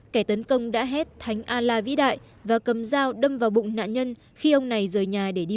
kẻ tấn công đã hết thánh a la vĩ đại và cầm dao đâm vào bụng nạn nhân khi ông này rời nhà để đi